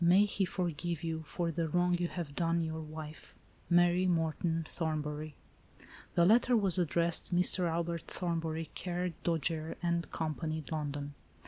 May He forgive you for the wrong you have done your wife. "Mary Morton Thornbury." The letter was addressed, " Mr. Albert Thorn bury, care Dojere & Co., London."